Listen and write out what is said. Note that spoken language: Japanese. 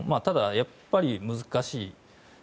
ただ、やっぱり難しい。